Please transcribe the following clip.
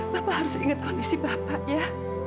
bapak harus ingat kondisi bapak ya